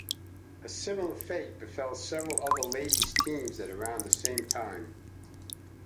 A similar fate befell several other ladies' teams at around the same time.